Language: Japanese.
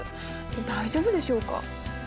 大丈夫でしょうか？